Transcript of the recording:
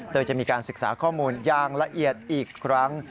โดยจะมีการศึกษาข้อมูลอย่างละเอียดอีกครั้ง